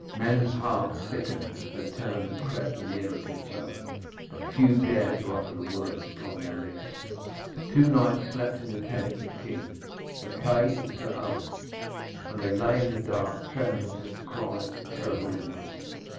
Men's hearts sickened as they turned and crept the nearer to each other, but few dared to utter the words upon their lips. Two knights slept in the tent with king, Sir Kay and Sir Owen; and they lay in the dark, trembling at the cries of terrible import.